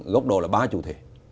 gốc độ là ba chủ thể